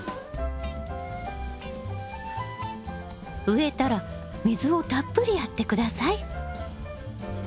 植えたら水をたっぷりやって下さい。